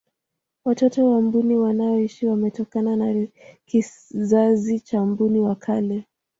watoto wa mbuni wanaoishi wametokana na kizazi cha mbuni wa kale